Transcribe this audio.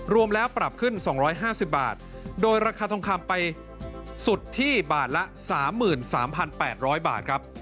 รวมแล้วปรับขึ้น๒๕๐บาทโดยราคาทองคำไปสุดที่บาทละ๓๓๘๐๐บาทครับ